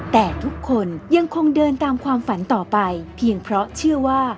แต่ทุกคนยังคงเดินตามความฝันต่อไปเพียงเพราะเชื่อว่า